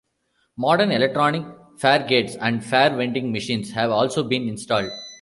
Modern electronic faregates and fare vending machines have also been installed.